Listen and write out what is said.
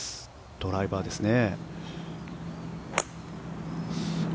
ドライバーですね。